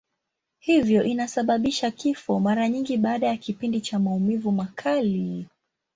Hivyo inasababisha kifo, mara nyingi baada ya kipindi cha maumivu makali.